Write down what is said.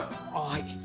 はい。